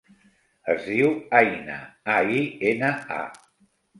Es diu Aina: a, i, ena, a.